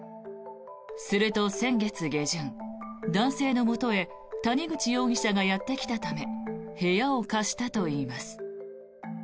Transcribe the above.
すると先月下旬、男性のもとへ谷口容疑者がやってきたため部屋を貸したといいます。